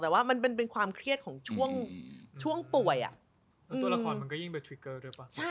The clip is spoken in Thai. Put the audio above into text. แต่ว่ามันเป็นความเครียดของช่วงป่วยอะ